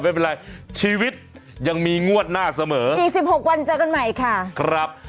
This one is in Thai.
ไม่เป็นไรชีวิตยังมีงวดหน้าเสมออีก๑๖วันเจอกันใหม่ค่ะครับ